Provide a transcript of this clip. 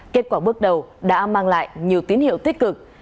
kết quả bước đầu đã mang lại nhiều tín hiệu tích cực